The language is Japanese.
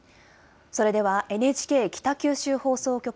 それではＮＨＫ北九州放送局